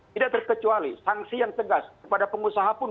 tidak terkecuali sanksi yang tegas kepada pengusaha pun